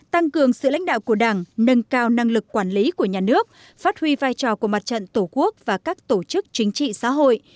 tăng cường sự lãnh đạo của đảng nâng cao năng lực quản lý của nhà nước phát huy vai trò của mặt trận tổ quốc và các tổ chức chính trị xã hội